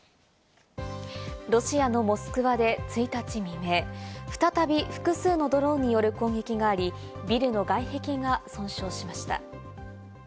ロシアのモスクワで１日未明、再び複数のドローンによる攻撃があり、ビルの外壁が損傷しました。